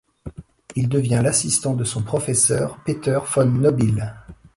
Il devient l'assistant de son professeur Peter von Nobile.